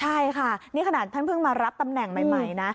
ใช่ค่ะนี่ขนาดท่านเพิ่งมารับตำแหน่งใหม่นะ